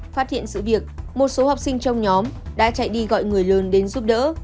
phát hiện sự việc một số học sinh trong nhóm đã chạy đi gọi người lớn đến giúp đỡ